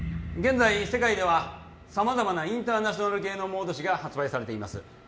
現在世界では様々なインターナショナル芸能モード誌が発売されています